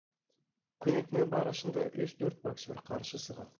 Күнекмә барышында өс-дүрт боксер ҡаршы сыға.